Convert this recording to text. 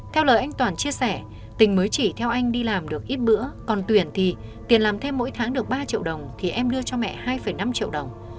theo lời anh toàn chia sẻ tình mới chỉ theo anh đi làm được ít bữa còn tuyển thì tiền làm thêm mỗi tháng được ba triệu đồng thì em đưa cho mẹ hai năm triệu đồng